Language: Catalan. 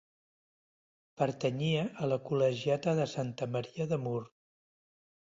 Pertanyia a la col·legiata de Santa Maria de Mur.